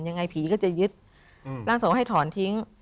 ยังไงผีก็จะยึดร่างทรงให้ถอนทิ้ง